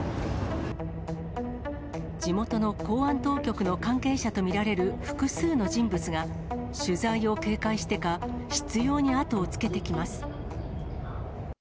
地元の公安当局の関係者とみられる複数の人物が、取材を警戒してか、執ように後をつけてきます。